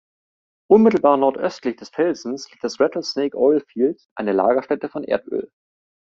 Unmittelbar nordöstlich des Felsens liegt das Rattlesnake-Oil-Field, eine Lagerstätte von Erdöl.